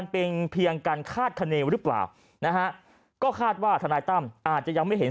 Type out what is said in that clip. เป็นเพียงการคาดคณีหรือเปล่านะฮะก็คาดว่าทนายตั้มอาจจะยังไม่เห็น